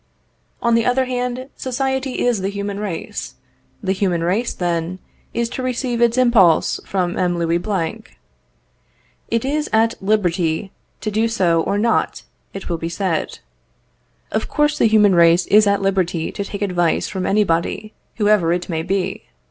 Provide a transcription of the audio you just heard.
On the other hand, society is the human race. The human race, then, is to receive its impulse from M. Louis Blanc. It is at liberty to do so or not, it will be said. Of course the human race is at liberty to take advice from anybody, whoever it may be.